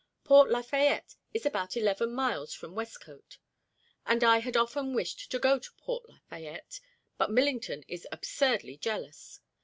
Port Lafayette is about eleven miles from Westcote, and I had often wished to go to Port Lafayette, but Millington is absurdly jealous.